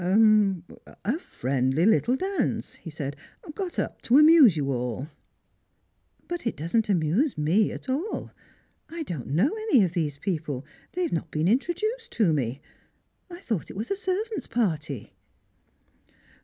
" A — a friendly little dance," he said, " got up to amuse you all." •' But it doesn't amuse me at all. I don't know any of these people, they have not been introduced to me. I thought it was a servants' party."